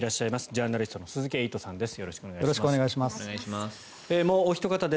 ジャーナリストの鈴木エイトさんです。